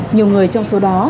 nhiều người trong số đó